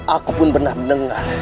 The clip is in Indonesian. aku pun pernah mendengar